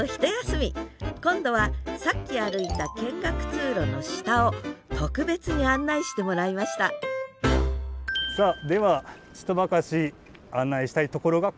今度はさっき歩いた見学通路の下を特別に案内してもらいましたさあではちとばかし案内したいところがこの場所でござりまする。